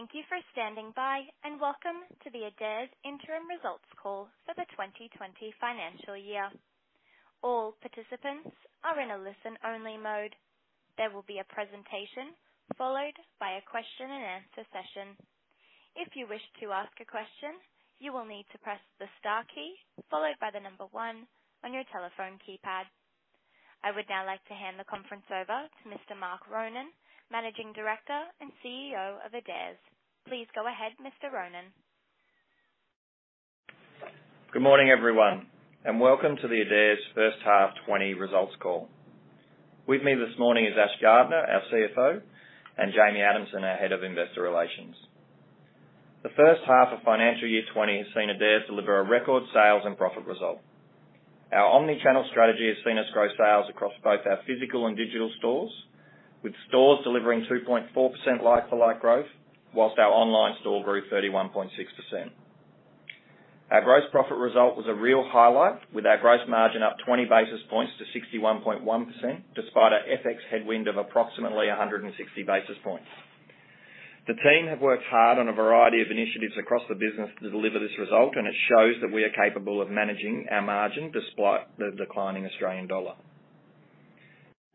Thank you for standing by, and welcome to the Adairs Interim Results Call for the 2020 financial year. All participants are in a listen-only mode. There will be a presentation followed by a question and answer session. If you wish to ask a question, you will need to press the star key followed by the number one on your telephone keypad. I would now like to hand the conference over to Mr Mark Ronan, Managing Director and CEO of Adairs. Please go ahead, Mr Ronan. Good morning, everyone. Welcome to the Adairs first half 20 results call. With me this morning is Ashley Gardner, our CFO, and Jamie Adamson, our Head of Investor Relations. The first half of financial year 20 has seen Adairs deliver a record sales and profit result. Our omnichannel strategy has seen us grow sales across both our physical and digital stores, with stores delivering 2.4% like-for-like growth, whilst our online store grew 31.6%. Our gross profit result was a real highlight, with our gross margin up 20 basis points to 61.1%, despite our FX headwind of approximately 160 basis points. The team have worked hard on a variety of initiatives across the business to deliver this result. It shows that we are capable of managing our margin despite the declining Australian dollar.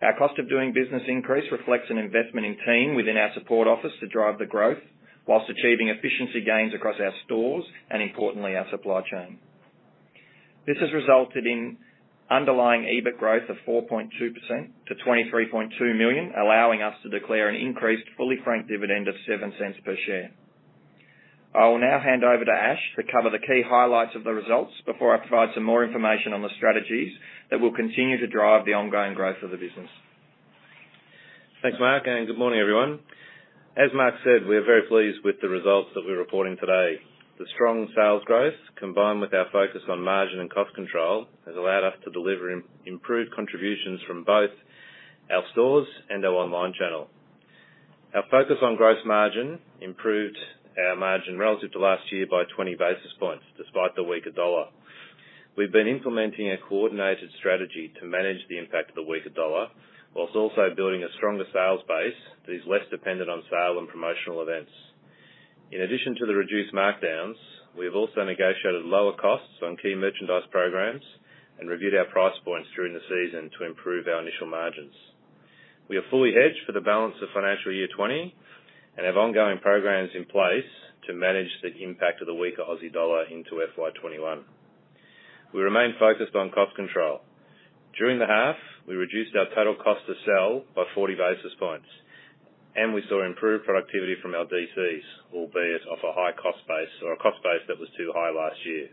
Our cost of doing business increase reflects an investment in team within our support office to drive the growth while achieving efficiency gains across our stores and, importantly, our supply chain. This has resulted in underlying EBIT growth of 4.2% to 23.2 million, allowing us to declare an increased fully franked dividend of 0.07 per share. I will now hand over to Ashley Gardner to cover the key highlights of the results before I provide some more information on the strategies that will continue to drive the ongoing growth of the business. Thanks, Mark. Good morning, everyone. As Mark said, we are very pleased with the results that we're reporting today. The strong sales growth, combined with our focus on margin and cost control, has allowed us to deliver improved contributions from both our stores and our online channel. Our focus on gross margin improved our margin relative to last year by 20 basis points, despite the weaker AUD. We've been implementing a coordinated strategy to manage the impact of the weaker AUD while also building a stronger sales base that is less dependent on sale and promotional events. In addition to the reduced markdowns, we have also negotiated lower costs on key merchandise programs and reviewed our price points during the season to improve our initial margins. We are fully hedged for the balance of financial year 2020 and have ongoing programs in place to manage the impact of the weaker AUD into FY 2021. We remain focused on cost control. During the half, we reduced our total cost to sell by 40 basis points, and we saw improved productivity from our DCs, albeit off a high-cost base or a cost base that was too high last year.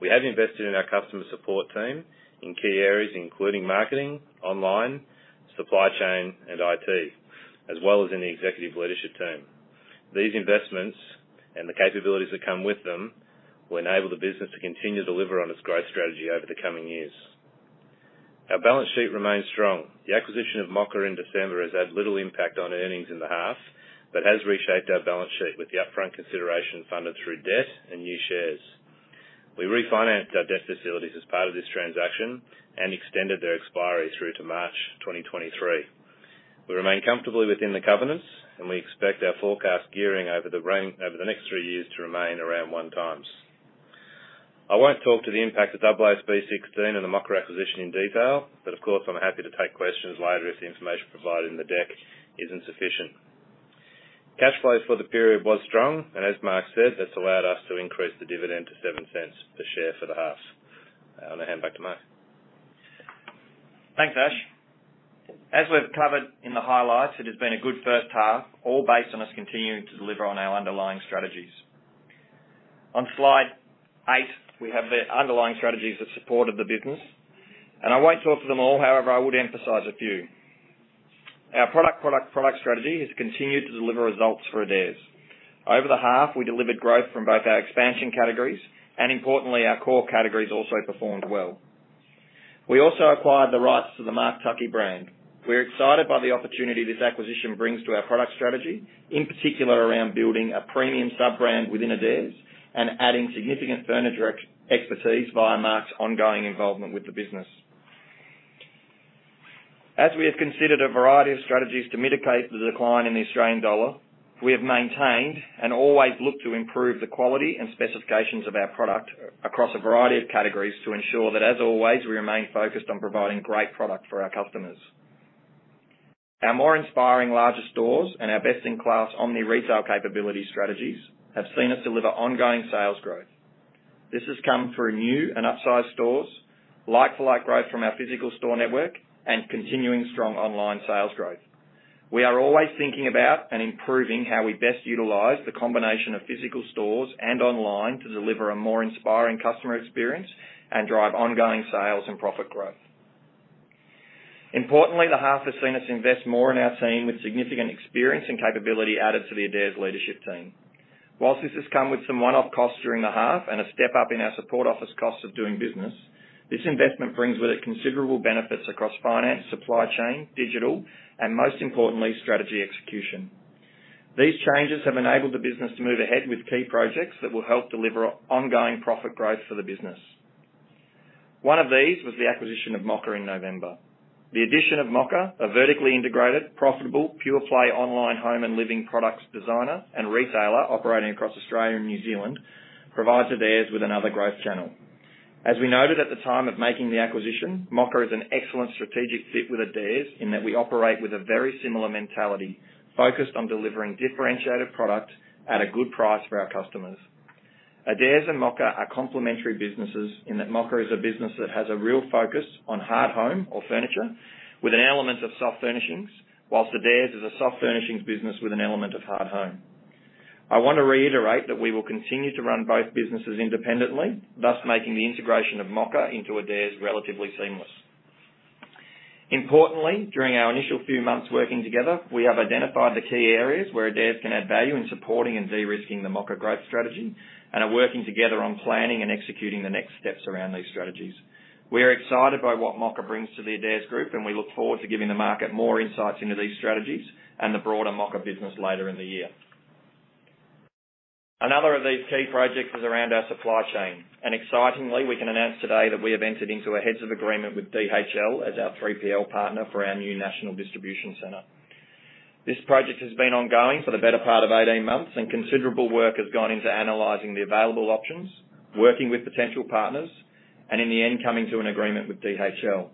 We have invested in our customer support team in key areas including marketing, online, supply chain, and IT, as well as in the executive leadership team. These investments, and the capabilities that come with them, will enable the business to continue to deliver on its growth strategy over the coming years. Our balance sheet remains strong. The acquisition of Mocka in December has had little impact on earnings in the half but has reshaped our balance sheet with the upfront consideration funded through debt and new shares. We refinanced our debt facilities as part of this transaction and extended their expiry through to March 2023. We remain comfortably within the covenants. We expect our forecast gearing over the next three years to remain around 1x. I won't talk to the impact of AASB 16 and the Mocka acquisition in detail. Of course, I'm happy to take questions later if the information provided in the deck isn't sufficient. Cash flows for the period were strong. As Mark said, that's allowed us to increase the dividend to 0.07 per share for the half. I'm going to hand back to Mark. Thanks, Ash. As we've covered in the highlights, it has been a good first half, all based on us continuing to deliver on our underlying strategies. On slide eight, we have the underlying strategies that supported the business. I won't talk through them all, however, I would emphasize a few. Our product strategy has continued to deliver results for Adairs. Over the half, we delivered growth from both our expansion categories and, importantly, our core categories also performed well. We also acquired the rights to the Mark Tuckey brand. We're excited by the opportunity this acquisition brings to our product strategy, in particular around building a premium sub-brand within Adairs and adding significant furniture expertise via Mark's ongoing involvement with the business. As we have considered a variety of strategies to mitigate the decline in the Australian dollar, we have maintained and always looked to improve the quality and specifications of our product across a variety of categories to ensure that, as always, we remain focused on providing great product for our customers. Our more inspiring larger stores and our best-in-class omni-retail capability strategies have seen us deliver ongoing sales growth. This has come through new and upsized stores, like-for-like growth from our physical store network, and continuing strong online sales growth. We are always thinking about and improving how we best utilize the combination of physical stores and online to deliver a more inspiring customer experience and drive ongoing sales and profit growth. Importantly, the half has seen us invest more in our team with significant experience and capability added to the Adairs leadership team. Whilst this has come with some one-off costs during the half and a step-up in our support office costs of doing business, this investment brings with it considerable benefits across finance, supply chain, digital, and most importantly, strategy execution. These changes have enabled the business to move ahead with key projects that will help deliver ongoing profit growth for the business. One of these was the acquisition of Mocka in November. The addition of Mocka, a vertically integrated, profitable, pure play online home and living products designer and retailer operating across Australia and New Zealand, provides Adairs with another growth channel. As we noted at the time of making the acquisition, Mocka is an excellent strategic fit with Adairs in that we operate with a very similar mentality, focused on delivering differentiated product at a good price for our customers. Adairs and Mocka are complementary businesses in that Mocka is a business that has a real focus on hard home or furniture with an element of soft furnishings, whilst Adairs is a soft furnishings business with an element of hard home. I want to reiterate that we will continue to run both businesses independently, thus making the integration of Mocka into Adairs relatively seamless. Importantly, during our initial few months working together, we have identified the key areas where Adairs can add value in supporting and de-risking the Mocka growth strategy and are working together on planning and executing the next steps around these strategies. We are excited by what Mocka brings to the Adairs group, and we look forward to giving the market more insights into these strategies and the broader Mocka business later in the year. Another of these key projects was around our supply chain, and excitingly, we can announce today that we have entered into a heads of agreement with DHL as our 3PL partner for our new national distribution center. This project has been ongoing for the better part of 18 months, and considerable work has gone into analyzing the available options, working with potential partners, and in the end, coming to an agreement with DHL.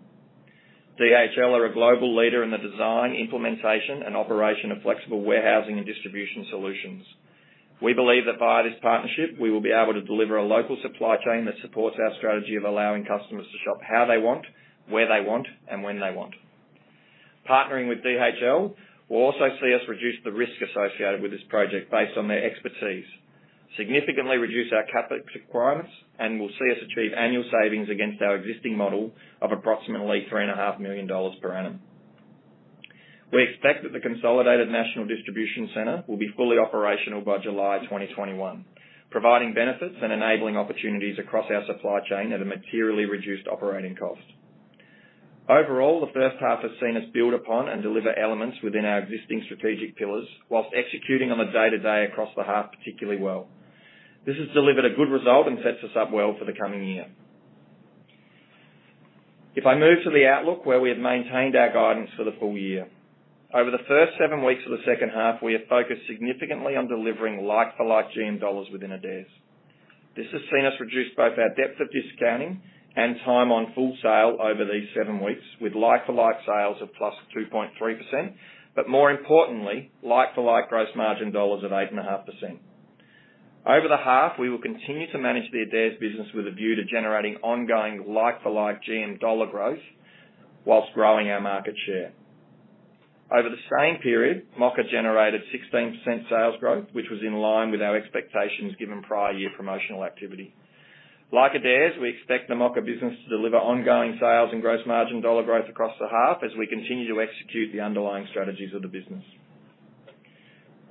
DHL are a global leader in the design, implementation, and operation of flexible warehousing and distribution solutions. We believe that via this partnership, we will be able to deliver a local supply chain that supports our strategy of allowing customers to shop how they want, where they want, and when they want. Partnering with DHL will also see us reduce the risk associated with this project based on their expertise, significantly reduce our CapEx requirements, and will see us achieve annual savings against our existing model of approximately 3.5 million dollars per annum. We expect that the consolidated national distribution center will be fully operational by July 2021, providing benefits and enabling opportunities across our supply chain at a materially reduced operating cost. Overall, the first half has seen us build upon and deliver elements within our existing strategic pillars whilst executing on the day-to-day across the half particularly well. This has delivered a good result and sets us up well for the coming year. If I move to the outlook, where we have maintained our guidance for the full year. Over the first seven weeks of the second half, we have focused significantly on delivering like-for-like GM dollars within Adairs. This has seen us reduce both our depth of discounting and time on full sale over these seven weeks with like-for-like sales of +2.3%, but more importantly, like-for-like gross margin dollars of 8.5%. Over the half, we will continue to manage the Adairs business with a view to generating ongoing like-for-like GM dollar growth whilst growing our market share. Over the same period, Mocka generated 16% sales growth, which was in line with our expectations given prior year promotional activity. Like Adairs, we expect the Mocka business to deliver ongoing sales and gross margin dollar growth across the half as we continue to execute the underlying strategies of the business.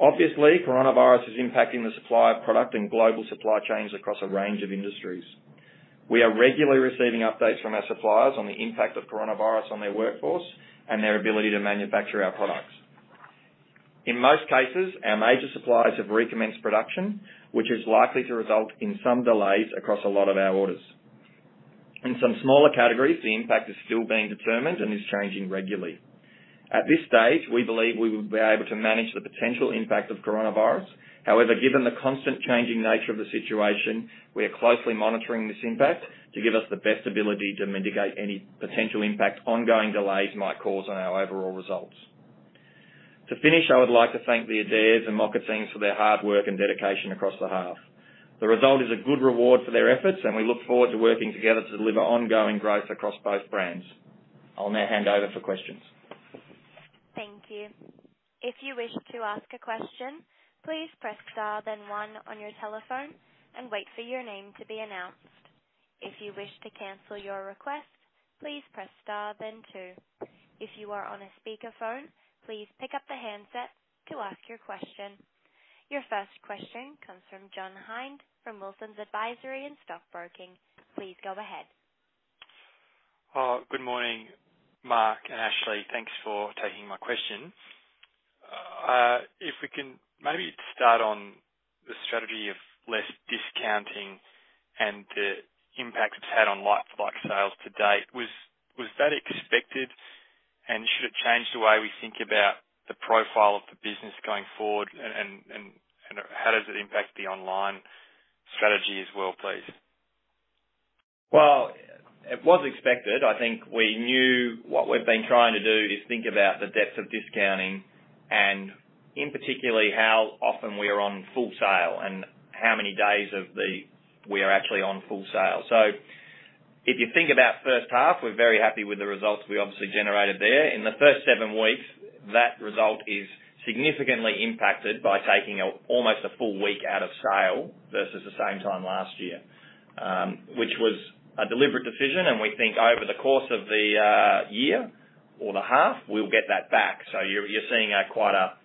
Obviously, coronavirus is impacting the supply of product and global supply chains across a range of industries. We are regularly receiving updates from our suppliers on the impact of coronavirus on their workforce and their ability to manufacture our products. In most cases, our major suppliers have recommenced production, which is likely to result in some delays across a lot of our orders. In some smaller categories, the impact is still being determined and is changing regularly. At this stage, we believe we will be able to manage the potential impact of coronavirus. However, given the constant changing nature of the situation, we are closely monitoring this impact to give us the best ability to mitigate any potential impact ongoing delays might cause on our overall results. To finish, I would like to thank the Adairs and Mocka teams for their hard work and dedication across the half. The result is a good reward for their efforts. We look forward to working together to deliver ongoing growth across both brands. I'll now hand over for questions. Thank you. If you wish to ask a question, please press star then one on your telephone and wait for your name to be announced. If you wish to cancel your request, please press star then two. If you are on a speakerphone, please pick up the handset to ask your question. Your first question comes from John Hind from Wilsons Advisory and Stockbroking. Please go ahead. Good morning, Mark and Ashley. Thanks for taking my question. If we can maybe start on the strategy of less discounting and the impact it's had on like-for-like sales to date. Was that expected? Should it change the way we think about the profile of the business going forward? How does it impact the online strategy as well, please? Well, it was expected. I think we knew what we've been trying to do is think about the depth of discounting and in particular, how often we are on full sale and how many days we are actually on full sale. If you think about the first half, we're very happy with the results we obviously generated there. In the first seven weeks, that result is significantly impacted by taking almost a full week out of sale versus the same time last year, which was a deliberate decision, and we think over the course of the year or the half, we'll get that back. You're seeing quite a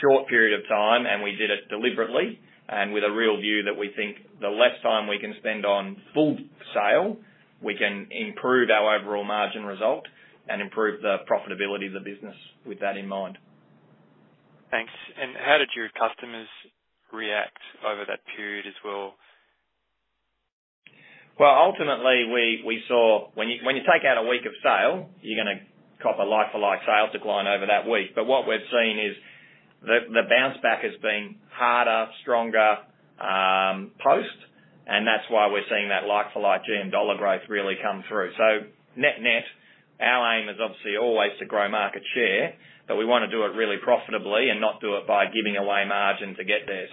short period of time, and we did it deliberately and with a real view that we think the less time we can spend on full sale, we can improve our overall margin result and improve the profitability of the business with that in mind. Thanks. How did your customers react over that period as well? Well, ultimately, when you take out a week of sale, you're going to cop a like-for-like sales decline over that week. What we've seen is the bounce back has been harder, stronger post, and that's why we're seeing that like-for-like GM dollar growth really come through. Net-net, our aim is obviously always to grow market share, but we want to do it really profitably and not do it by giving away margin to get there.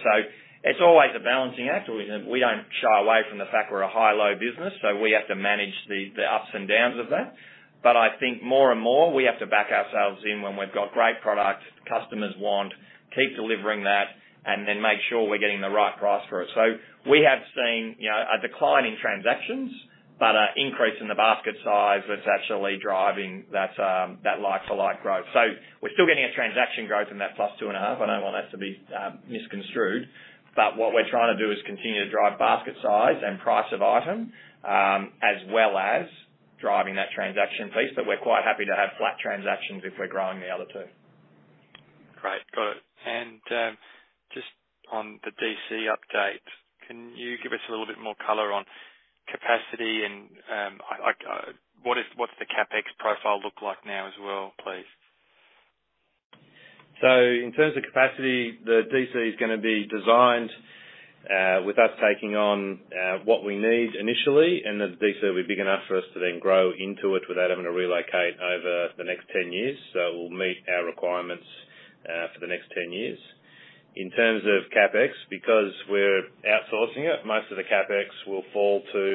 It's always a balancing act. We don't shy away from the fact we're a high-low business, so we have to manage the ups and downs of that. I think more and more we have to back ourselves when we've got great products customers want, keep delivering that, and then make sure we're getting the right price for it. We have seen a decline in transactions, but an increase in the basket size that's actually driving that like-for-like growth. We're still getting a transaction growth in that +2.5%. I don't want that to be misconstrued. What we're trying to do is continue to drive basket size and price of item, as well as driving that transaction piece. We're quite happy to have flat transactions if we're growing the other two. Great. Got it. Just on the DC update, can you give us a little bit more color on capacity, and what's the CapEx profile look like now as well, please? In terms of capacity, the DC is going to be designed with us taking on what we need initially, and the DC will be big enough for us to then grow into it without having to relocate over the next 10 years. It will meet our requirements for the next 10 years. In terms of CapEx, because we're outsourcing it, most of the CapEx will fall to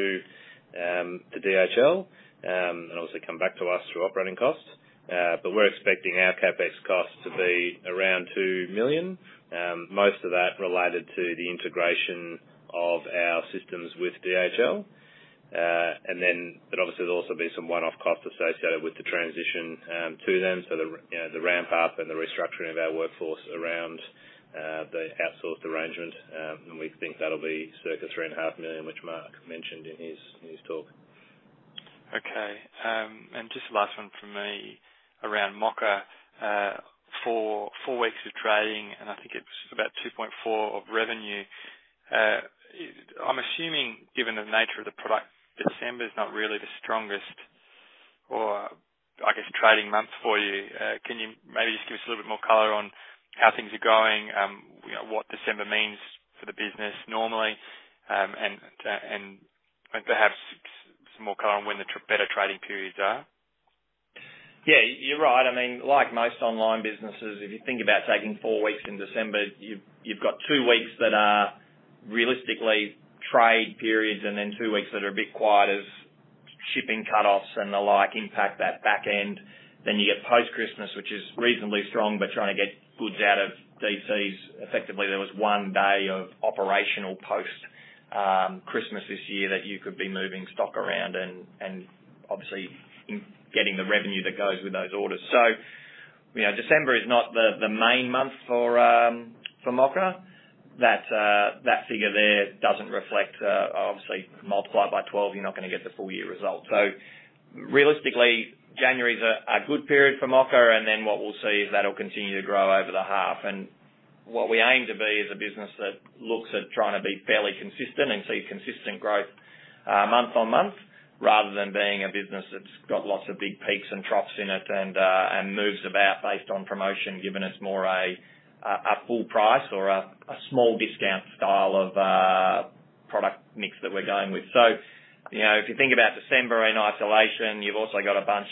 DHL, and obviously come back to us through operating costs. We're expecting our CapEx cost to be around 2 million. Most of that related to the integration of our systems with DHL. Obviously, there'll also be some one-off costs associated with the transition to them. The ramp-up and the restructuring of our workforce around the outsourced arrangement, and we think that'll be circa 3.5 million, which Mark mentioned in his talk. Okay. Just the last one from me around Mocka. Four weeks of trading, and I think it's about 2.4 of revenue. I'm assuming given the nature of the product, December is not really the strongest, or I guess, trading month for you. Can you maybe just give us a little bit more color on how things are going, what December means for the business normally, and perhaps some more color on when the better trading periods are? Yeah, you're right. Like most online businesses, if you think about taking four weeks in December, you've got two weeks that are realistically trade periods, then two weeks that are a bit quiet as shipping cutoffs and the like impact that back end. You get post-Christmas, which is reasonably strong, but trying to get goods out of DCs, effectively there was one day of operational post-Christmas this year that you could be moving stock around and obviously getting the revenue that goes with those orders. December is not the main month for Mocka. That figure there doesn't reflect, obviously, multiply it by 12, you're not going to get the full year result. Realistically, January is a good period for Mocka, then what we'll see is that'll continue to grow over the half. What we aim to be is a business that looks at trying to be fairly consistent and see consistent growth month-on-month, rather than being a business that's got lots of big peaks and troughs in it and moves about based on promotion, giving us more a full price or a small discount style of product mix that we're going with. If you think about December in isolation, you've also got a bunch,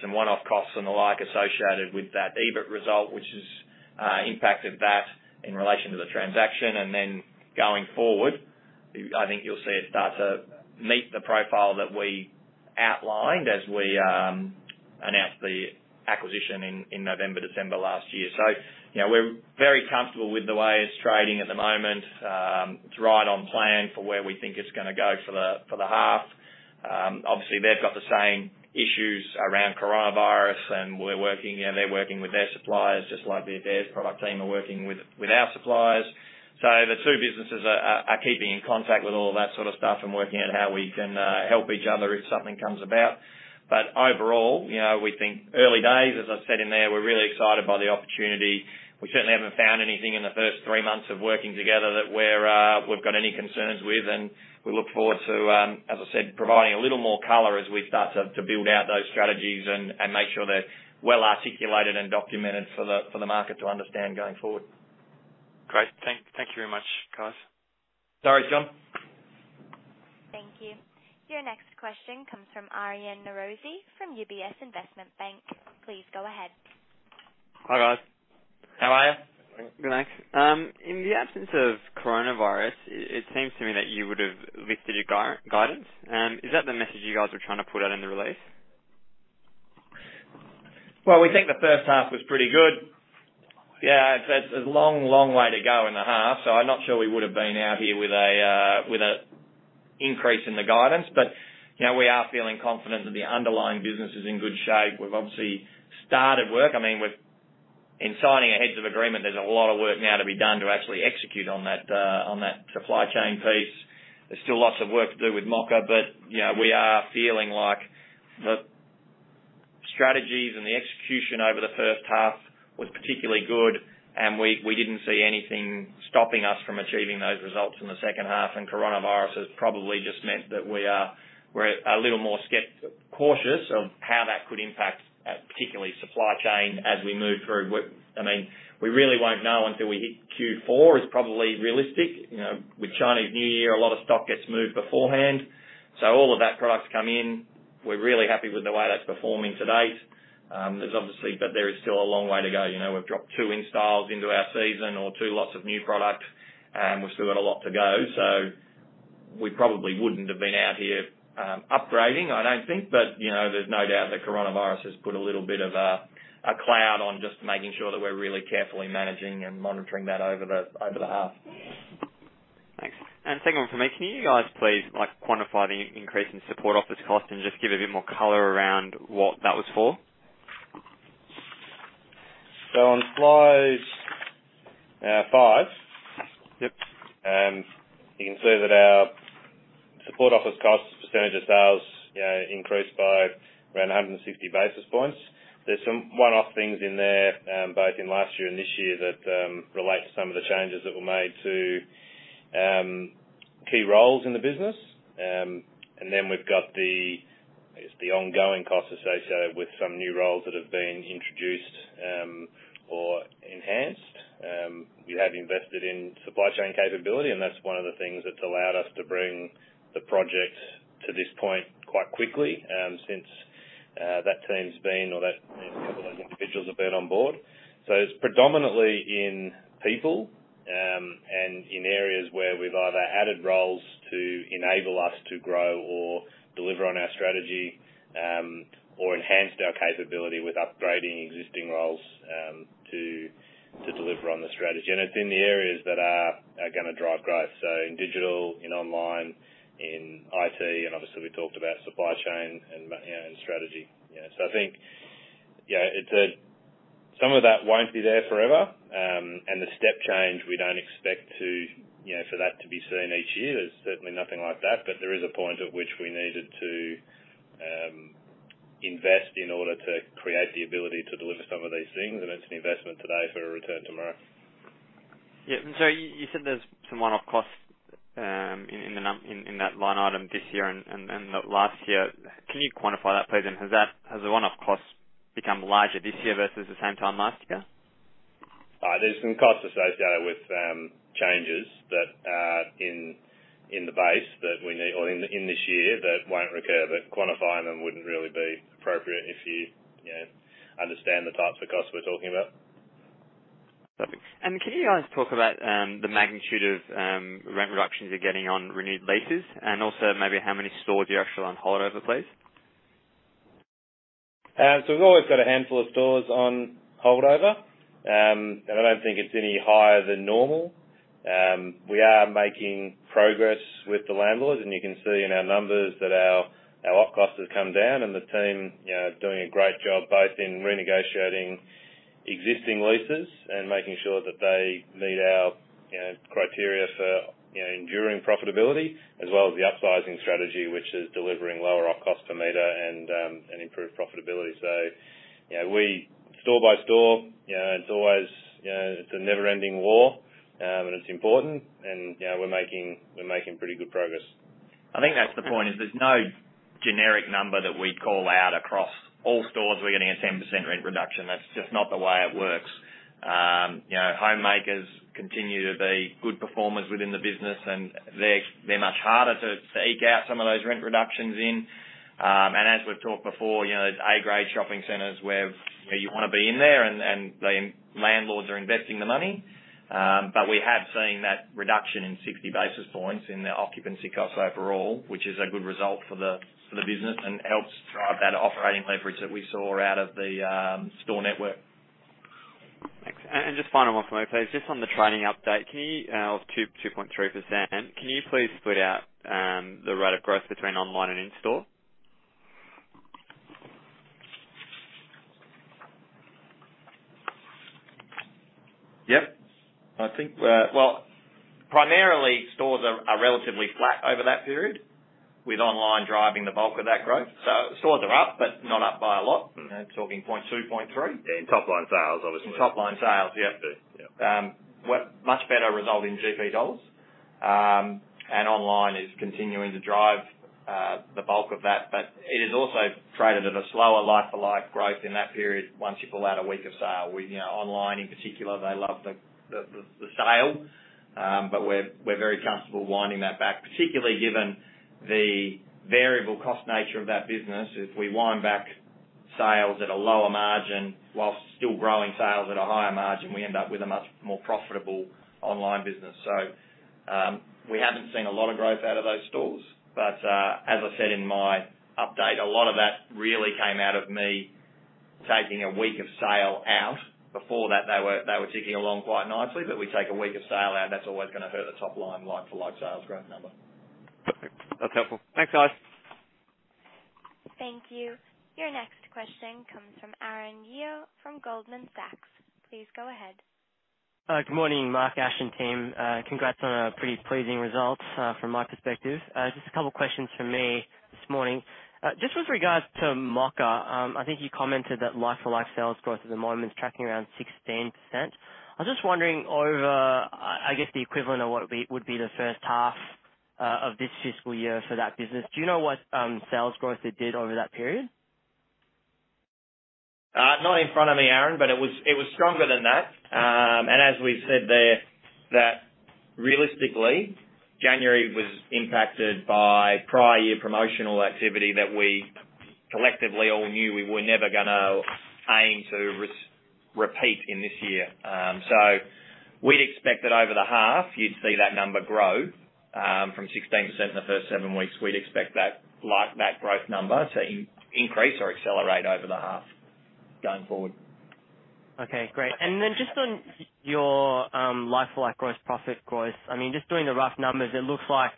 some one-off costs and the like associated with that EBIT result, which has impacted that in relation to the transaction. Going forward, I think you'll see it start to meet the profile that we outlined as we announced the acquisition in November, December last year. We're very comfortable with the way it's trading at the moment. It's right on plan for where we think it's going to go for the half. Obviously, they've got the same issues around coronavirus, and they're working with their suppliers just like the Adairs product team are working with our suppliers. The two businesses are keeping in contact with all that sort of stuff and working out how we can help each other if something comes about. Overall, we think early days, as I said in there, we're really excited by the opportunity. We certainly haven't found anything in the first three months of working together that we've got any concerns with, and we look forward to, as I said, providing a little more color as we start to build out those strategies and make sure they're well articulated and documented for the market to understand going forward. Great. Thank you very much, guys. No worries, John. Thank you. Your next question comes from Arian Mirovski from UBS Investment Bank. Please go ahead. Hi, guys. How are you? Good, thanks. In the absence of coronavirus, it seems to me that you would have lifted your guidance. Is that the message you guys are trying to put out in the release? We think the first half was pretty good. It's a long way to go in the half. I'm not sure we would have been out here with an increase in the guidance. We are feeling confident that the underlying business is in good shape. We've obviously started work. In signing a heads of agreement, there's a lot of work now to be done to actually execute on that supply chain piece. There's still lots of work to do with Mocka. We are feeling like the strategies and the execution over the first half was particularly good. We didn't see anything stopping us from achieving those results in the second half. Coronavirus has probably just meant that we're a little more cautious of how that could impact particularly supply chain as we move through. We really won't know until we hit Q4. That is probably realistic. With Chinese New Year, a lot of stock gets moved beforehand. All of that product's come in. We're really happy with the way that's performing to date. There is still a long way to go. We've dropped two in styles into our season or two lots of new product, and we've still got a lot to go. We probably wouldn't have been out here upgrading, I don't think. There's no doubt that coronavirus has put a little bit of a cloud on just making sure that we're really carefully managing and monitoring that over the half. Thanks. Second one from me, can you guys please quantify the increase in support office cost and just give a bit more color around what that was for? On slide five. Yep. You can see that our support office costs percentage of sales increased by around 160 basis points. There's some one-off things in there, both in last year and this year, that relate to some of the changes that were made to key roles in the business. We've got the ongoing cost associated with some new roles that have been introduced or enhanced. We have invested in supply chain capability, and that's one of the things that's allowed us to bring the project to this point quite quickly since that team's been, or those individuals have been on board. It's predominantly in people, and in areas where we've either added roles to enable us to grow or deliver on our strategy, or enhanced our capability with upgrading existing roles to deliver on the strategy. It's in the areas that are going to drive growth. In digital, in online, in IT, and obviously we talked about supply chain and strategy. I think some of that won't be there forever. The step change, we don't expect for that to be seen each year. There's certainly nothing like that, but there is a point at which we needed to invest in order to create the ability to deliver some of these things, and it's an investment today for a return tomorrow. Yeah. You said there's some one-off costs in that line item this year and last year. Can you quantify that, please? Has the one-off cost become larger this year versus the same time last year? There's some costs associated with changes that are in the base that we need or in this year that won't recur. Quantifying them wouldn't really be appropriate if you understand the types of costs we're talking about. Perfect. Can you guys talk about the magnitude of rent reductions you're getting on renewed leases, and also maybe how many stores you actually on holdover, please? We've always got a handful of stores on holdover, and I don't think it's any higher than normal. We are making progress with the landlords, and you can see in our numbers that our op cost has come down and the team is doing a great job both in renegotiating existing leases and making sure that they meet our criteria for enduring profitability as well as the upsizing strategy, which is delivering lower op cost per meter and improved profitability. Store by store, it's a never-ending war, but it's important and we're making pretty good progress. I think that's the point, is there's no generic number that we call out across all stores we're getting a 10% rent reduction. That's just not the way it works. Homemakers continue to be good performers within the business, and they're much harder to eke out some of those rent reductions in. As we've talked before, there's A-grade shopping centers where you want to be in there, and the landlords are investing the money. We have seen that reduction in 60 basis points in the occupancy cost overall, which is a good result for the business and helps drive that operating leverage that we saw out of the store network. Thanks. Just final one from me, please. Just on the trading update of 2.3%, can you please split out the rate of growth between online and in-store? Yep. Primarily, stores are relatively flat over that period with online driving the bulk of that growth. Stores are up, but not up by a lot. Talking point two, point three. In top-line sales, obviously. In top-line sales, yeah. Yeah. Much better result in GP dollars. Online is continuing to drive the bulk of that, but it has also traded at a slower like-for-like growth in that period once you pull out a week of sale. With online in particular, they love the sale. We're very comfortable winding that back, particularly given the variable cost nature of that business. If we wind back sales at a lower margin whilst still growing sales at a higher margin, we end up with a much more profitable online business. We haven't seen a lot of growth out of those stores. As I said in my update, a lot of that really came out of me taking a week of sale out. Before that, they were ticking along quite nicely. We take a week of sale out, that's always going to hurt the top line, like-for-like sales growth number. Perfect. That's helpful. Thanks, guys. Thank you. Your next question comes from Aaron Yeo from Goldman Sachs. Please go ahead. Good morning, Mark, Ash, and team. Congrats on a pretty pleasing result from my perspective. Just a couple questions from me this morning. Just with regards to Mocka, I think you commented that like-for-like sales growth at the moment is tracking around 16%. I was just wondering over, I guess the equivalent of what would be the first half of this fiscal year for that business. Do you know what sales growth it did over that period? Not in front of me, Aaron, it was stronger than that. As we said there, that realistically, January was impacted by prior year promotional activity that we collectively all knew we were never going to aim to repeat in this year. We'd expect that over the half you'd see that number grow from 16% in the first seven weeks, we'd expect that like that growth number to increase or accelerate over the half going forward. Okay, great. Just on your like-for-like gross profit growth, just doing the rough numbers, it looks like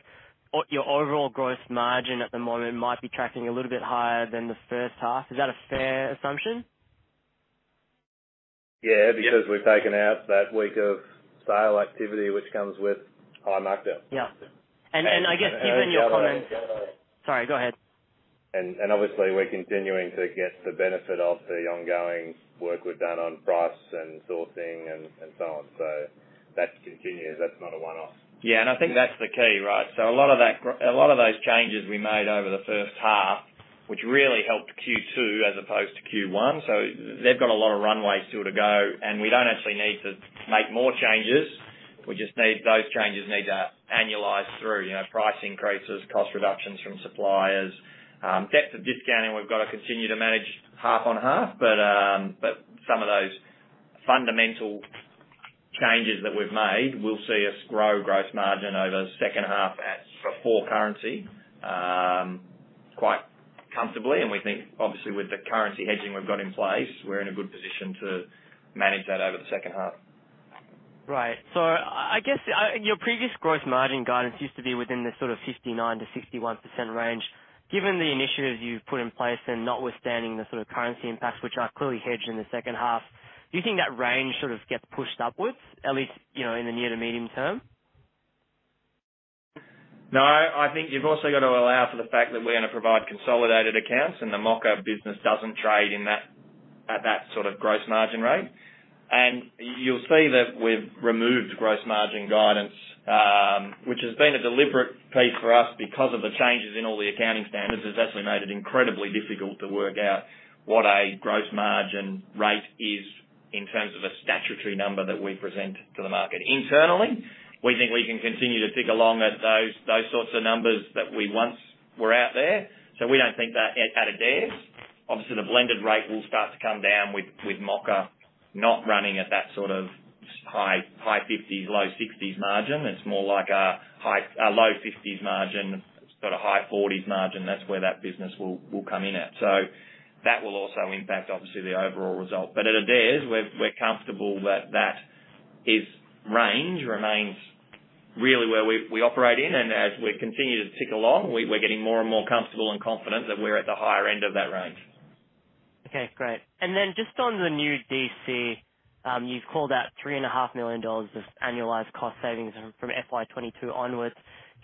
your overall gross margin at the moment might be tracking a little bit higher than the first half. Is that a fair assumption? Yeah, because we've taken out that week of sale activity, which comes with high markdown. Yeah. I guess given your comments. And the other- Sorry, go ahead. Obviously we're continuing to get the benefit of the ongoing work we've done on price and sourcing and so on. That continues. That's not a one-off. I think that's the key, right? A lot of those changes we made over the first half, which really helped Q2 as opposed to Q1, so they've got a lot of runway still to go, and we don't actually need to make more changes. We just need those changes to annualize through price increases, cost reductions from suppliers, depth of discounting we've got to continue to manage half on half. Some of those fundamental changes that we've made will see us grow gross margin over the second half at before currency, quite comfortably. We think obviously with the currency hedging we've got in place, we're in a good position to manage that over the second half. Right. I guess your previous gross margin guidance used to be within the sort of 59%-61% range. Given the initiatives you've put in place and notwithstanding the sort of currency impacts, which are clearly hedged in the second half, do you think that range sort of gets pushed upwards, at least, in the near to medium term? No. I think you've also got to allow for the fact that we're going to provide consolidated accounts, and the Mocka business doesn't trade at that sort of gross margin rate. You'll see that we've removed gross margin guidance, which has been a deliberate piece for us because of the changes in all the accounting standards. It's actually made it incredibly difficult to work out what a gross margin rate is in terms of a statutory number that we present to the market. Internally, we think we can continue to tick along at those sorts of numbers that we once were out there. We don't think that at Adairs. Obviously, the blended rate will start to come down with Mocka not running at that sort of high 50s, low 60s margin. It's more like a low 50s margin, sort of high 40s margin. That's where that business will come in at. That will also impact, obviously, the overall result. At Adairs, we're comfortable that range remains really where we operate in, and as we continue to tick along, we're getting more and more comfortable and confident that we're at the higher end of that range. Okay, great. Then just on the new DC, you've called out $3.5 million Of annualized cost savings from FY 2022 onwards.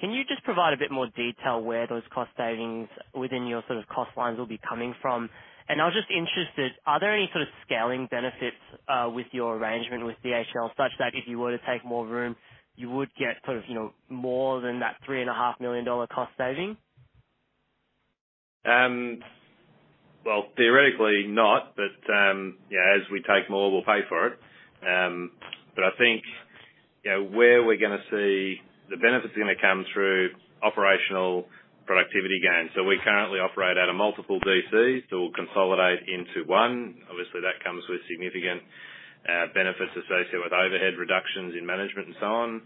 Can you just provide a bit more detail where those cost savings within your sort of cost lines will be coming from? I was just interested, are there any sort of scaling benefits with your arrangement with DHL, such that if you were to take more room, you would get more than that $3.5 million Cost saving? Well, theoretically not, but as we take more, we'll pay for it. I think where we're gonna see the benefits are gonna come through operational productivity gains. We currently operate out of multiple DCs that will consolidate into one. Obviously, that comes with significant benefits associated with overhead reductions in management and so on.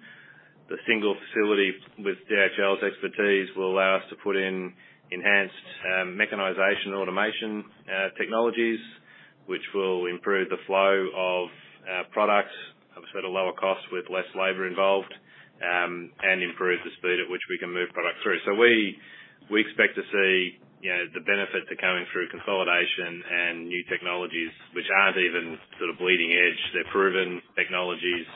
The single facility with DHL's expertise will allow us to put in enhanced mechanization automation technologies, which will improve the flow of products, obviously at a lower cost with less labor involved, and improve the speed at which we can move product through. We expect to see the benefit to coming through consolidation and new technologies, which aren't even sort of bleeding edge. They're proven technologies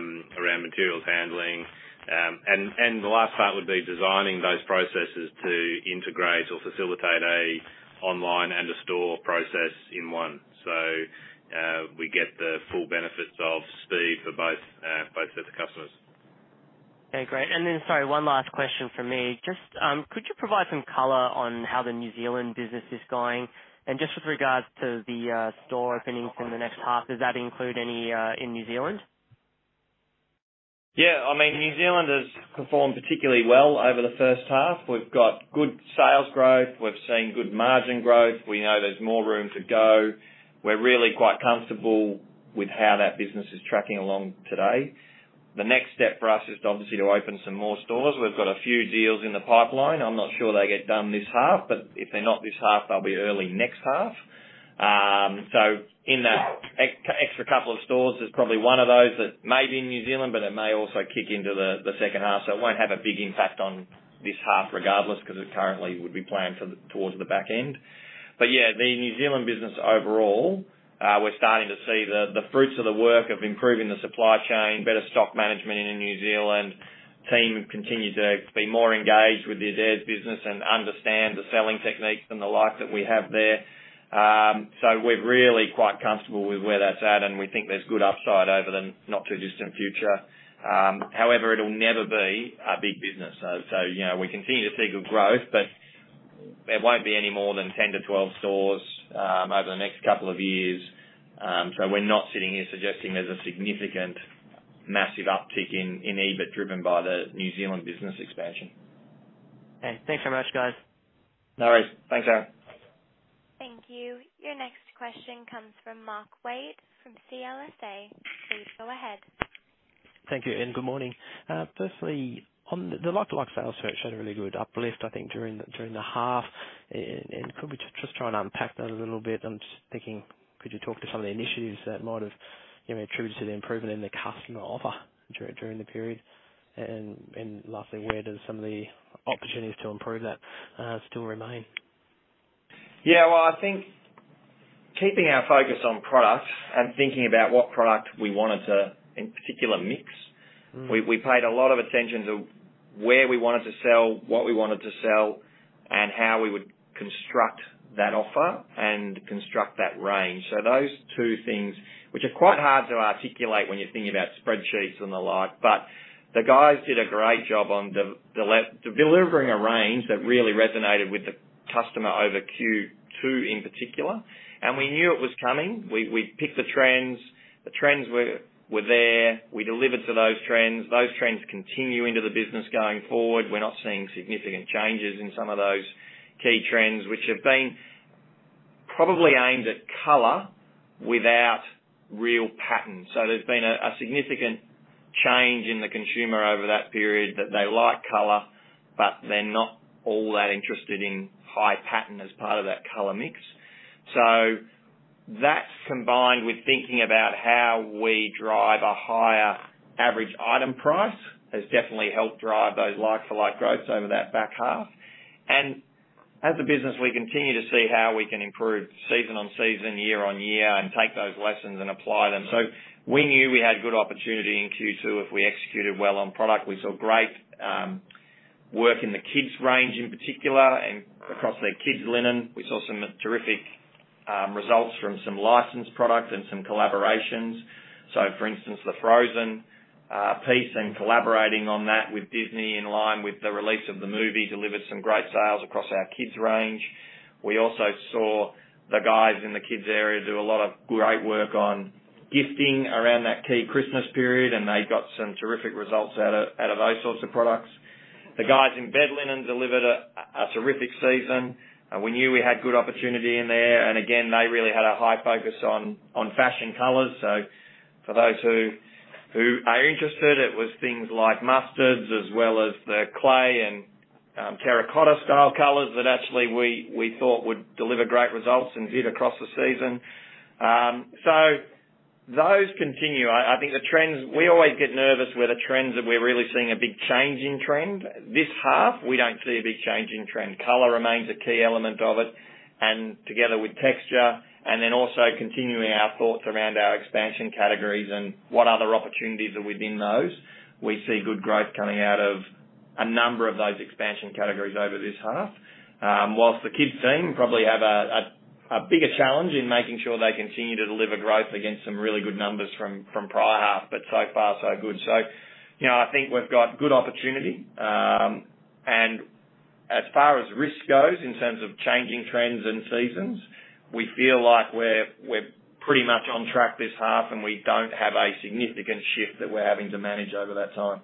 around materials handling. The last part would be designing those processes to integrate or facilitate a online and a store process in one. We get the full benefits of speed for both sets of customers. Okay, great. Sorry, one last question from me. Just could you provide some color on how the New Zealand business is going? With regards to the store openings in the next half, does that include any in New Zealand? Yeah. New Zealand has performed particularly well over the first half. We've got good sales growth. We've seen good margin growth. We know there's more room to go. We're really quite comfortable with how that business is tracking along today. The next step for us is obviously to open some more stores. We've got a few deals in the pipeline. I'm not sure they get done this half, but if they're not this half, they'll be early next half. In that extra couple of stores, there's probably one of those that may be in New Zealand, but it may also kick into the second half. It won't have a big impact on this half regardless, because it currently would be planned towards the back end. The New Zealand business overall, we're starting to see the fruits of the work of improving the supply chain, better stock management in New Zealand. Team continue to be more engaged with the Adairs business and understand the selling techniques and the like that we have there. We're really quite comfortable with where that's at, and we think there's good upside over the not-too-distant future. However, it'll never be a big business. We continue to see good growth, but it won't be any more than 10 to 12 stores over the next couple of years. We're not sitting here suggesting there's a significant, massive uptick in EBIT driven by the New Zealand business expansion. Okay. Thanks very much, guys. No worries. Thanks, Aaron. Thank you. Your next question comes from Mark Waite from CLSA. Please go ahead. Thank you, good morning. Firstly, on the like-for-like sales showed a really good uplift, I think, during the half. Could we just try and unpack that a little bit? I'm just thinking, could you talk to some of the initiatives that might have attributed to the improvement in the customer offer during the period? Lastly, where do some of the opportunities to improve that still remain? Yeah, well, I think keeping our focus on product and thinking about what product we wanted to, in particular, mix. We paid a lot of attention to where we wanted to sell, what we wanted to sell, and how we would construct that offer and construct that range. Those two things, which are quite hard to articulate when you're thinking about spreadsheets and the like, but the guys did a great job on delivering a range that really resonated with the customer over Q2 in particular. We knew it was coming. We'd picked the trends. The trends were there. We delivered to those trends. Those trends continue into the business going forward. We're not seeing significant changes in some of those key trends, which have been probably aimed at color without real pattern. There's been a significant change in the consumer over that period that they like color, but they're not all that interested in high pattern as part of that color mix. That combined with thinking about how we drive a higher average item price, has definitely helped drive those like-for-like growths over that back half. As a business, we continue to see how we can improve season on season, year on year, and take those lessons and apply them. We knew we had good opportunity in Q2 if we executed well on product. We saw great work in the kids' range in particular and across the kids' linen. We saw some terrific results from some licensed product and some collaborations. For instance, the Frozen piece and collaborating on that with Disney in line with the release of the movie delivered some great sales across our kids' range. We also saw the guys in the kids' area do a lot of great work on gifting around that key Christmas period, and they got some terrific results out of those sorts of products. The guys in bed linen delivered a terrific season. We knew we had good opportunity in there. Again, they really had a high focus on fashion colors. For those who are interested, it was things like mustards as well as the clay and terracotta style colors that actually we thought would deliver great results and did across the season. Those continue. I think the trends, we always get nervous where the trends that we're really seeing a big change in trend. This half, we don't see a big change in trend. Color remains a key element of it, and together with texture, and then also continuing our thoughts around our expansion categories and what other opportunities are within those. We see good growth coming out of a number of those expansion categories over this half. Whilst the Kids' team probably have a bigger challenge in making sure they continue to deliver growth against some really good numbers from prior half. So far, so good. I think we've got good opportunity. As far as risk goes, in terms of changing trends and seasons, we feel like we're pretty much on track this half, and we don't have a significant shift that we're having to manage over that time.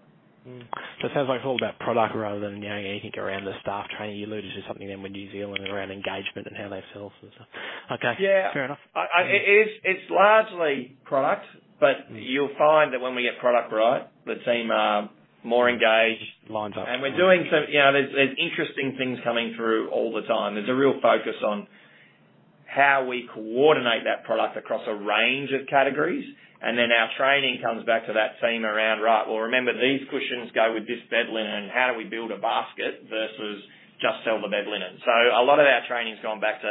Just sounds like it's all about product rather than anything around the staff training. You alluded to something there with New Zealand around engagement and how they sell stuff. Okay. Yeah. Fair enough. It's largely product, but you'll find that when we get product right, the team are more engaged. Lines up. There's interesting things coming through all the time. There's a real focus on how we coordinate that product across a range of categories, and then our training comes back to that team around, right, well, remember, these cushions go with this bed linen. How do we build a basket versus just sell the bed linen? A lot of our training's gone back to,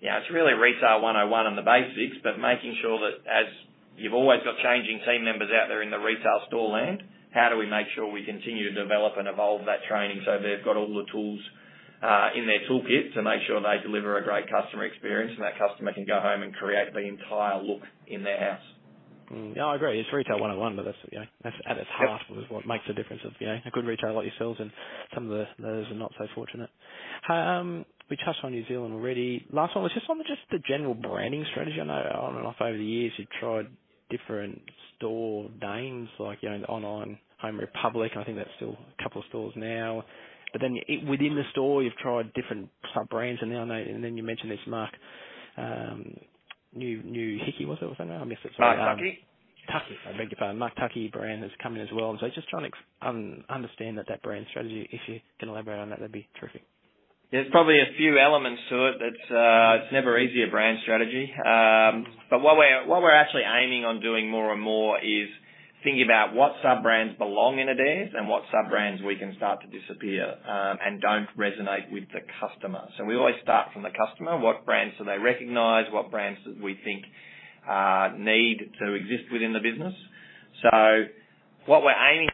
it's really retail 101 on the basics, but making sure that as you've always got changing team members out there in the retail store land, how do we make sure we continue to develop and evolve that training so they've got all the tools in their toolkit to make sure they deliver a great customer experience, and that customer can go home and create the entire look in their house. I agree. It's retail 101. That's at its heart with what makes a difference of a good retailer like yourselves and some of those are not so fortunate. We touched on New Zealand already. Last one was just on the general branding strategy. I know on and off over the years you've tried different store names like the online Home Republic. I think that's still a couple of stores now. Within the store, you've tried different sub-brands, and then you mentioned this Mark Tuckey, was it? Was that how I missed it? Mark Tuckey. Tuckey. I beg your pardon. Mark Tuckey brand has come in as well. Just trying to understand that brand strategy. If you can elaborate on that'd be terrific. There's probably a few elements to it. It's never easy, a brand strategy. What we're actually aiming on doing more and more is thinking about what sub-brands belong in Adairs and what sub-brands we can start to disappear and don't resonate with the customer. We always start from the customer, what brands do they recognize, what brands do we think need to exist within the business. This is the conference operator.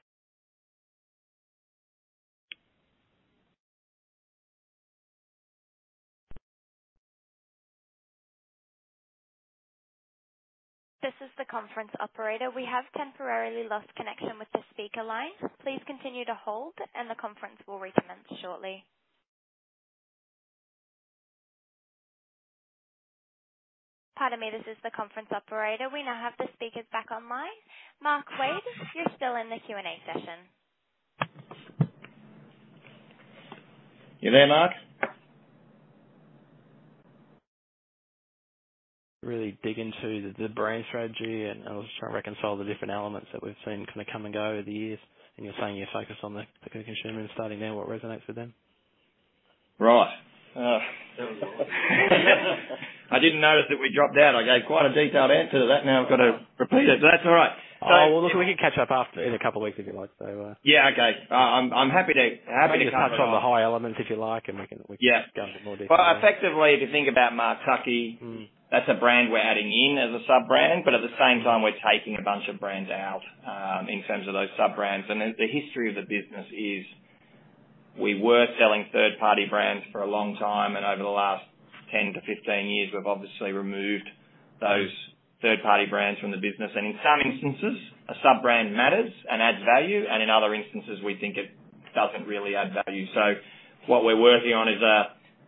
We have temporarily lost connection with the speaker line. Please continue to hold, and the conference will recommence shortly. Pardon me, this is the conference operator. We now have the speakers back online. Mark Waite, you're still in the Q&A session. You there, Mark? Really dig into the brand strategy, I was trying to reconcile the different elements that we've seen come and go over the years. You're saying you're focused on the consumer and starting there, what resonates with them. Right. I didn't notice that we dropped out. I gave quite a detailed answer to that. Now I've got to repeat it. That's all right. Well, look, we can catch up after in a couple of weeks if you like. Yeah, okay. I'm happy to. Happy to touch on the high elements if you like. Yeah delve a bit more detail. Well, effectively, if you think about Mark Tuckey. that's a brand we're adding in as a sub-brand, but at the same time, we're taking a bunch of brands out in terms of those sub-brands. The history of the business is we were selling third-party brands for a long time, and over the last 10-15 years, we've obviously removed those third-party brands from the business. In some instances, a sub-brand matters and adds value, and in other instances, we think it doesn't really add value. What we're working on is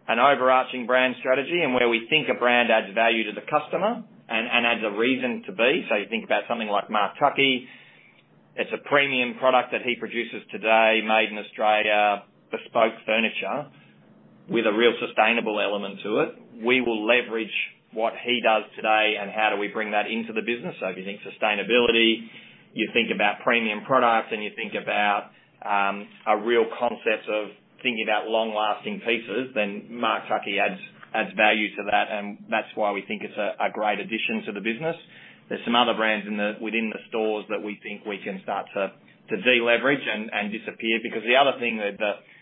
an overarching brand strategy and where we think a brand adds value to the customer and adds a reason to be. You think about something like Mark Tuckey, it's a premium product that he produces today, made in Australia, bespoke furniture with a real sustainable element to it. We will leverage what he does today and how do we bring that into the business. If you think sustainability, you think about premium products, and you think about a real concept of thinking about long-lasting pieces, then Mark Tuckey adds value to that, and that's why we think it's a great addition to the business. There's some other brands within the stores that we think we can start to de-leverage and disappear because the other thing that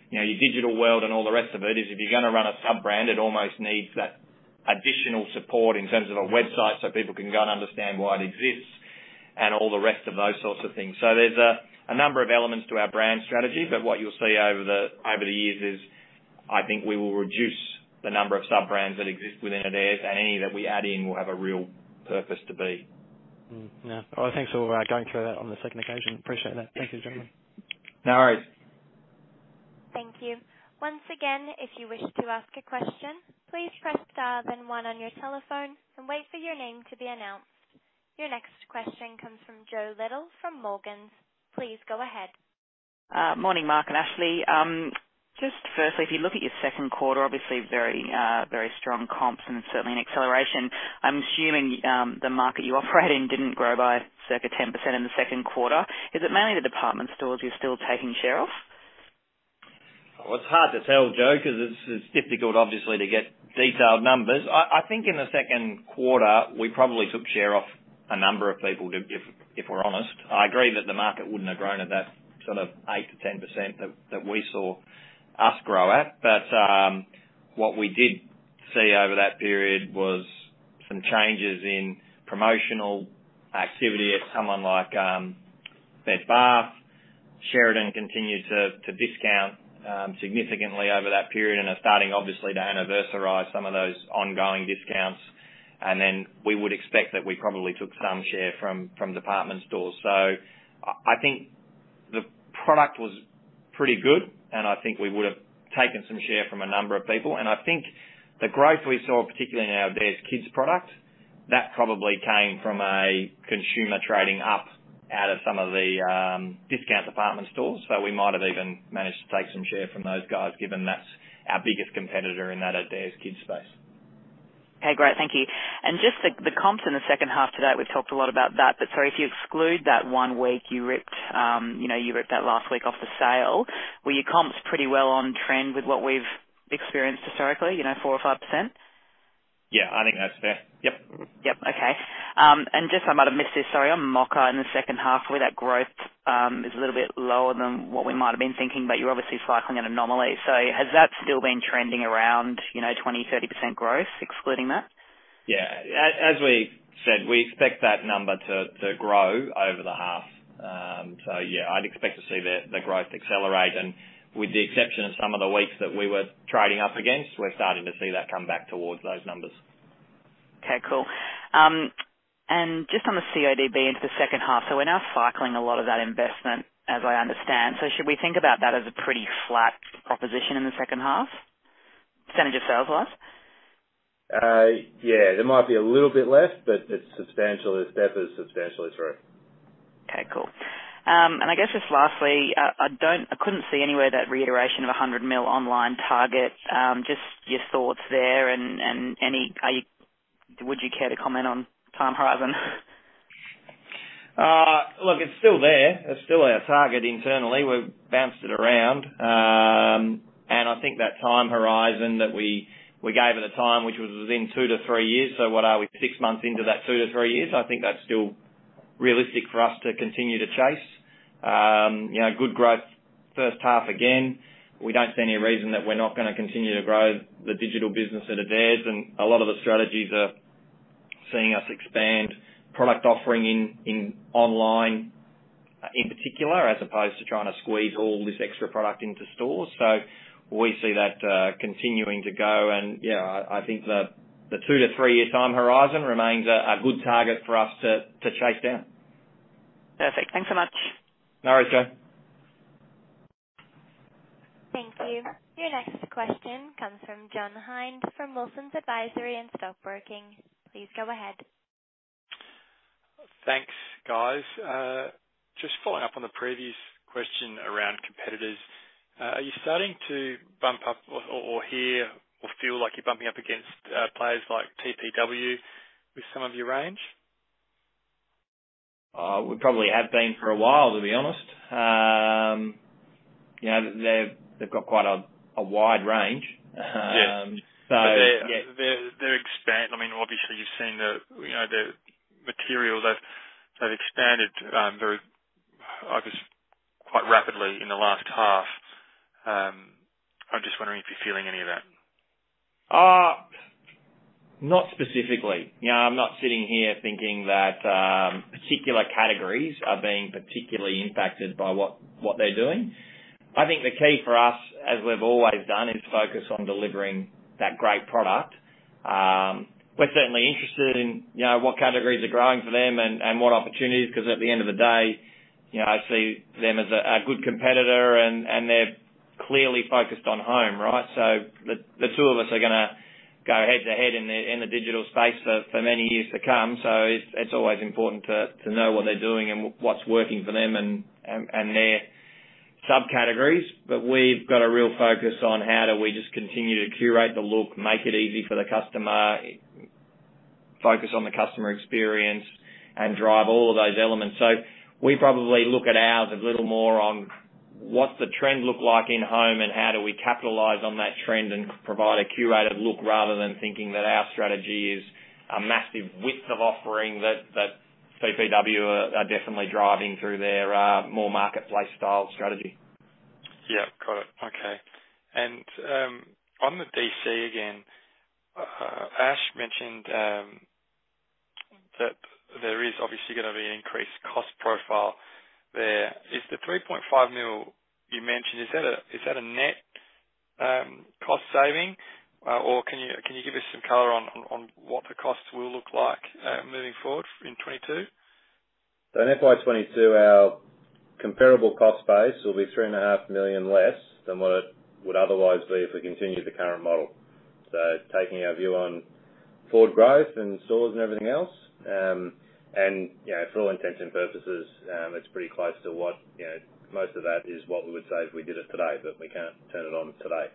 your digital world and all the rest of it is if you're going to run a sub-brand, it almost needs that additional support in terms of a website so people can go and understand why it exists, and all the rest of those sorts of things. There's a number of elements to our brand strategy. What you'll see over the years is, I think we will reduce the number of sub-brands that exist within Adairs. Any that we add in will have a real purpose to be. Yeah. Thanks for going through that on the second occasion. Appreciate that. Thank you, gentlemen. No worries. Thank you. Once again, if you wish to ask a question, please press star then one on your telephone and wait for your name to be announced. Your next question comes from Josephine Little from Morgans. Please go ahead. Morning, Mark and Ashley. Just firstly, if you look at your second quarter, obviously very strong comps and certainly an acceleration. I'm assuming the market you operate in didn't grow by circa 10% in the second quarter. Is it mainly the department stores you're still taking share of? Well, it is hard to tell, Josephine Little, because it is difficult, obviously, to get detailed numbers. I think in the second quarter, we probably took share off a number of people, if we are honest. I agree that the market wouldn't have grown at that sort of 8%-10% that we saw us grow at. What we did see over that period was some changes in promotional activity at someone like Bed Bath. Sheridan continued to discount significantly over that period and are starting obviously to anniversarize some of those ongoing discounts. We would expect that we probably took some share from department stores. I think the product was pretty good, and I think we would have taken some share from a number of people. I think the growth we saw, particularly in our Adairs Kids product, that probably came from a consumer trading up out of some of the discount department stores. We might have even managed to take some share from those guys, given that's our biggest competitor in that Adairs Kids space. Okay, great. Thank you. Just the comps in the second half to date, we've talked a lot about that. If you exclude that one week you ripped that last week off the sale, were your comps pretty well on trend with what we've experienced historically, four or five%? Yeah, I think that's fair. Yep. Yep, okay. Just I might have missed this, sorry, on Mocka in the second half where that growth is a little bit lower than what we might have been thinking, but you are obviously cycling an anomaly. Has that still been trending around 20%, 30% growth excluding that? Yeah. As we said, we expect that number to grow over the half. Yeah, I'd expect to see the growth accelerate. With the exception of some of the weeks that we were trading up against, we're starting to see that come back towards those numbers. Okay, cool. Just on the CODB into the second half. We're now cycling a lot of that investment, as I understand. Should we think about that as a pretty flat proposition in the second half, percentage of sales-wise? Yeah. It might be a little bit less, but it's substantially, Steph, it's substantially through. Okay, cool. I guess just lastly, I couldn't see anywhere that reiteration of an 100 million online target. Just your thoughts there, and would you care to comment on time horizon? Look, it's still there. It's still our target internally. We've bounced it around, I think that time horizon that we gave at the time, which was within two to three years. So what are we, six months into that two to three years? I think that's still realistic for us to continue to chase. Good growth first half again. We don't see any reason that we're not going to continue to grow the digital business at Adairs. A lot of the strategies are seeing us expand product offering in online, in particular, as opposed to trying to squeeze all this extra product into stores. We see that continuing to go and, yeah, I think the two to three-year time horizon remains a good target for us to chase down. Perfect. Thanks so much. No worries, Jo. Thank you. Your next question comes from John Hind from Wilsons Advisory and Stockbroking. Please go ahead. Thanks, guys. Just following up on the previous question around competitors. Are you starting to bump up or hear or feel like you're bumping up against players like TPW with some of your range? We probably have been for a while, to be honest. They've got quite a wide range. Yeah. Obviously, you've seen the materials they've expanded, I guess, quite rapidly in the last half. I'm just wondering if you're feeling any of that. Not specifically. I'm not sitting here thinking that particular categories are being particularly impacted by what they're doing. I think the key for us, as we've always done, is focus on delivering that great product. We're certainly interested in what categories are growing for them and what opportunities, because at the end of the day, I see them as a good competitor and they're clearly focused on home, right? The two of us are gonna go head to head in the digital space for many years to come. It's always important to know what they're doing and what's working for them and their subcategories. We've got a real focus on how do we just continue to curate the look, make it easy for the customer, focus on the customer experience and drive all of those elements. We probably look at ours a little more on what's the trend look like in home and how do we capitalize on that trend and provide a curated look rather than thinking that our strategy is a massive width of offering that TPW are definitely driving through their more marketplace style strategy. Yeah. Got it. Okay. On the DC again, Ashley Gardner mentioned that there is obviously going to be an increased cost profile there. Is the 3.5 million you mentioned, is that a net cost saving? Can you give us some color on what the cost will look like moving forward in 2022? FY 2022, our comparable cost base will be AUD $3.5 million Less than what it would otherwise be if we continued the current model. Taking our view on forward growth and stores and everything else, and for all intents and purposes, it's pretty close to what most of that is what we would save if we did it today, but we can't turn it on today.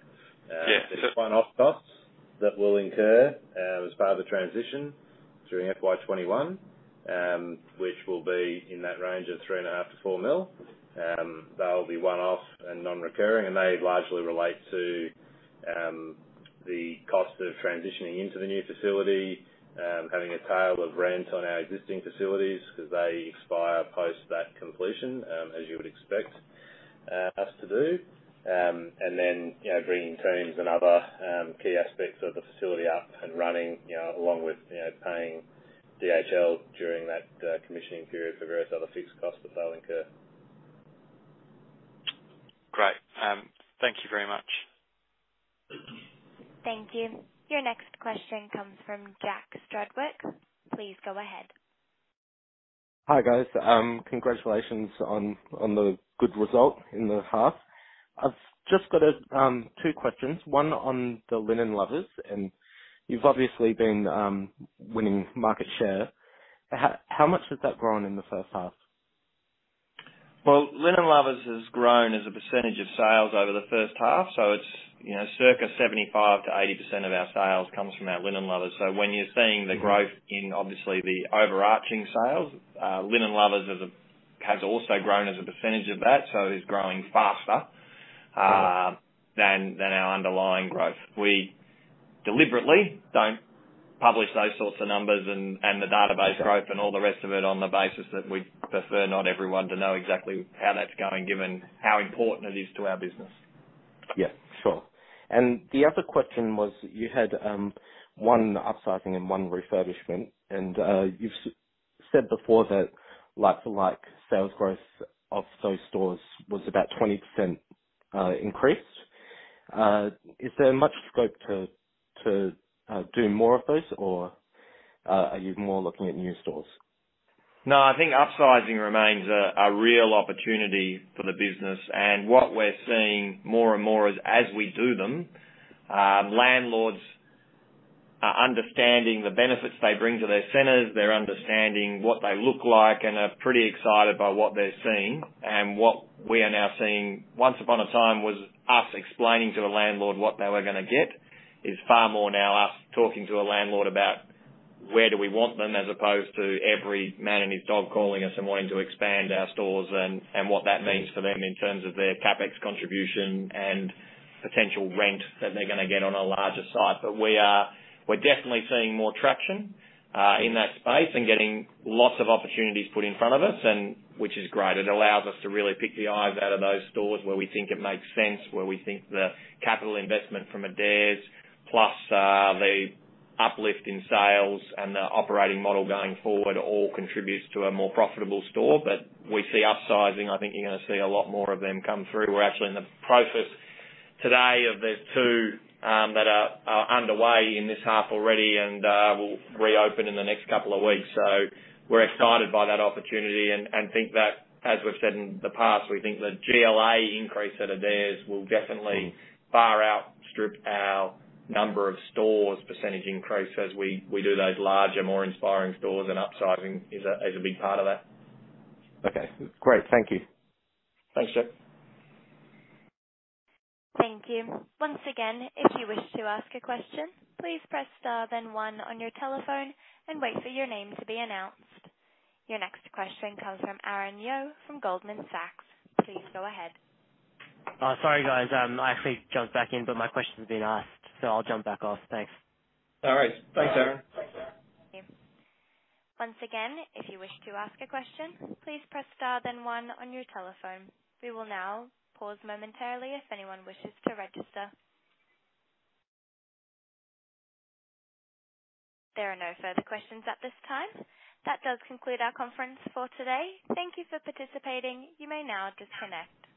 Yeah. There is one-off costs that we will incur as part of the transition during FY 2021, which will be in that range of three and a half mil to 4 mil. That will be one-off and non-recurring. They largely relate to the cost of transitioning into the new facility, having a tail of rent on our existing facilities because they expire post that completion, as you would expect us to do. Then bringing teams and other key aspects of the facility up and running, along with paying DHL during that commissioning period for various other fixed costs that they will incur. Great. Thank you very much. Thank you. Your next question comes from Jack Strudwick. Please go ahead. Hi, guys. Congratulations on the good result in the half. I've just got two questions. One on the Linen Lovers, and you've obviously been winning market share. How much has that grown in the first half? Well, Linen lovers has grown as a % of sales over the first half. It's circa 75%-80% of our sales comes from our Linen lovers. When you're seeing the growth in obviously the overarching sales, Linen lovers has also grown as a % of that, so is growing faster than our underlying growth. We deliberately don't publish those sorts of numbers and the database growth and all the rest of it on the basis that we prefer not everyone to know exactly how that's going, given how important it is to our business. Yeah. Sure. The other question was you had one upsizing and one refurbishment, and you've said before that like-for-like sales growth of those stores was about 20% increase. Is there much scope to do more of those, or are you more looking at new stores? I think upsizing remains a real opportunity for the business. What we're seeing more and more is as we do them, landlords are understanding the benefits they bring to their centers, they're understanding what they look like, and are pretty excited by what they're seeing. What we are now seeing once upon a time was us explaining to a landlord what they were going to get, is far more now us talking to a landlord about where do we want them, as opposed to every man and his dog calling us and wanting to expand our stores and what that means for them in terms of their CapEx contribution and potential rent that they're going to get on a larger site. We're definitely seeing more traction in that space and getting lots of opportunities put in front of us, which is great. It allows us to really pick the eyes out of those stores where we think it makes sense, where we think the capital investment from Adairs, plus the uplift in sales and the operating model going forward all contributes to a more profitable store. We see upsizing, I think you're going to see a lot more of them come through. We're actually in the process today of the two that are underway in this half already and will reopen in the next couple of weeks. We're excited by that opportunity and think that, as we've said in the past, we think the GLA increase at Adairs will definitely far outstrip our number of stores % increase as we do those larger, more inspiring stores and upsizing is a big part of that. Okay, great. Thank you. Thanks, Jack. Thank you. Once again, if you wish to ask a question, please press star then one on your telephone and wait for your name to be announced. Your next question comes from Aaron Yeo from Goldman Sachs. Please go ahead. Sorry, guys. I actually jumped back in, but my question's been asked, so I'll jump back off. Thanks. All right. Thanks, Aaron. Once again, if you wish to ask a question, please press star then one on your telephone. We will now pause momentarily if anyone wishes to register. There are no further questions at this time. That does conclude our conference for today. Thank you for participating. You may now disconnect.